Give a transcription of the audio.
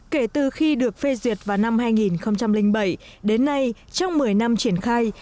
kể từ khi được phê duyệt vào năm hai nghìn bảy đến nay trong một mươi năm triển khai